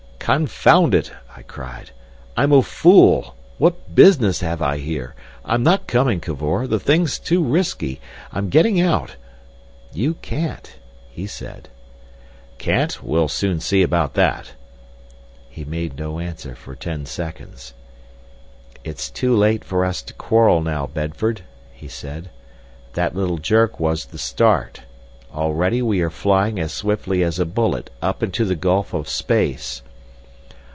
"Confound it!" I cried; "I'm a fool! What business have I here? I'm not coming, Cavor. The thing's too risky. I'm getting out." "You can't," he said. "Can't! We'll soon see about that!" He made no answer for ten seconds. "It's too late for us to quarrel now, Bedford," he said. "That little jerk was the start. Already we are flying as swiftly as a bullet up into the gulf of space."